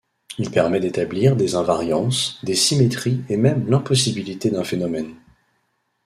Il permet d'établir des invariances, des symétries et même l'impossibilité d'un phénomène.